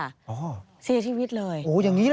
อ๋ออย่างนี้เลยเหรอ